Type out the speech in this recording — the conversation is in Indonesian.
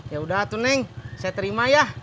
yaudah tuh neng saya terima ya